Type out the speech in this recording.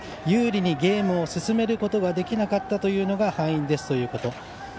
有利にゲームを進めることができなかったというのが敗因ですということ。